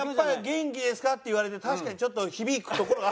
「元気ですか？」って言われて確かにちょっと響くところが。